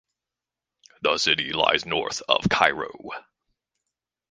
The city lies north of Cairo.